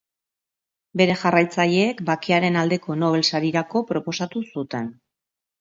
Bere jarraitzaileek Bakearen aldeko Nobel Sarirako proposatu zuten.